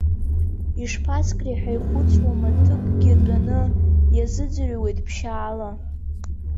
Ишԥаскри ҳәа ихәыцуа маҭыкгьы тәаны, иазыӡырҩуеит ԥшьаала.